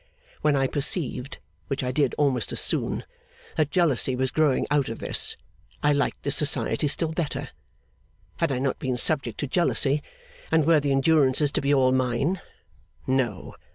When I perceived (which I did, almost as soon) that jealousy was growing out of this, I liked this society still better. Had I not been subject to jealousy, and were the endurances to be all mine? No.